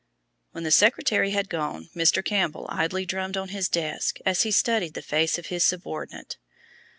When the secretary had gone Mr. Campbell idly drummed on his desk as he studied the face of his subordinate.